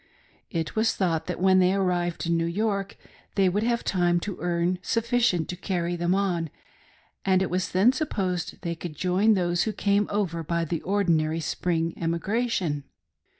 It was thought that when they arrived in New York they would have time to earn sufficient to carry them on, and it was then sup posed they could join those who came over by the ordinary spring emigration.